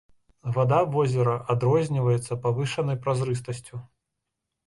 Вада возера адрозніваецца павышанай празрыстасцю.